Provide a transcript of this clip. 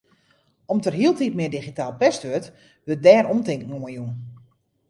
Om't der hieltyd mear digitaal pest wurdt, wurdt dêr omtinken oan jûn.